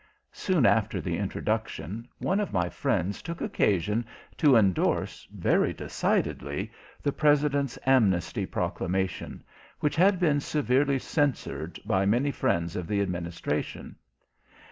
Soon after the introduction, one of my friends took occasion to indorse, very decidedly, the President's Amnesty Proclamation, which had been severely censured by many friends of the Administration.